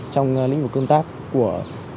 trong lĩnh vực công tác của